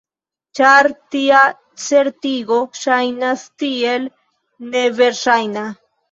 Ĉar tia certigo ŝajnas tiel neverŝajna.